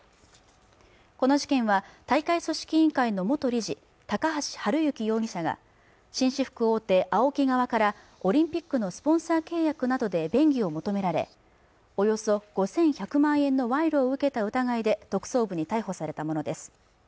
この事件は大会組織委員会の元理事高橋治之容疑者が紳士服大手ＡＯＫＩ側からオリンピックのスポンサー契約などで便宜を求められおよそ５１００万円の賄賂を受けた疑いで特捜部に逮捕されたものです